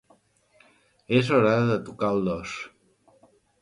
És hora de tocar el dos.